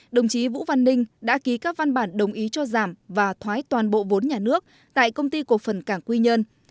đồng chí vũ văn ninh đã ký các văn bản đồng ý cho giảm và thoái toàn bộ vốn nhà nước tại công ty cổ phần cảng quy nhân